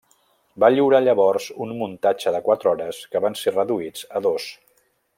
Va lliurar llavors un muntatge de quatre hores que van ser reduïts a dos.